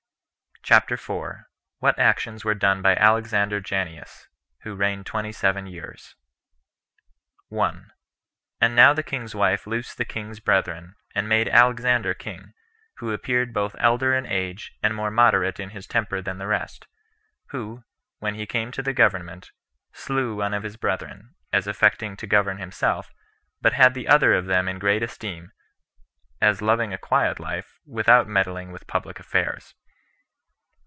CHAPTER 4. What Actions Were Done By Alexander Janneus, Who Reigned Twenty Seven Years. 1. And now the king's wife loosed the king's brethren, and made Alexander king, who appeared both elder in age, and more moderate in his temper than the rest; who, when he came to the government, slew one of his brethren, as affecting to govern himself; but had the other of them in great esteem, as loving a quiet life, without meddling with public affairs.